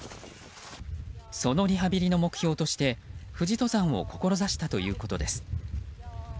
そのリハビリの目標として富士登山を志したということです。